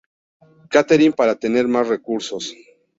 Catherine para tener más recursos.